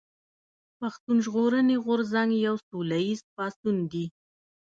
پښتون ژغورني غورځنګ يو سوله ايز پاڅون دي